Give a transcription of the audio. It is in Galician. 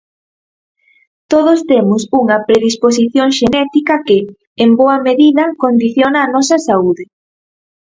Todos temos unha predisposición xenética que, en boa medida, condiciona a nosa saúde.